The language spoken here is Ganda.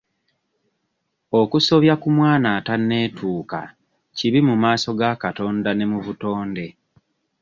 Okusobya ku mwana atanneetuuka kibi mu maaso ga Katonda ne mu butonde.